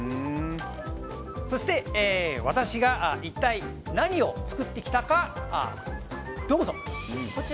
そして私が一体何を作ってきたかどうぞ。